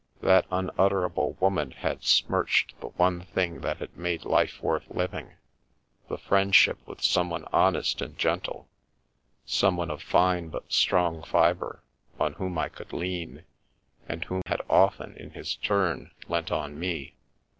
That unutterable woman had smirched the one thing* that had made life worth living; the friendship with someone honest and gentle, someone of fine but strong fibre, on whom I could lean, and who had often, in his turn, leant on me.